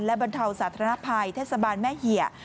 และบรรเทาสาธารณภัยเทศบาลแม่เหี่ย